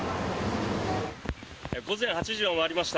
午前８時を回りました。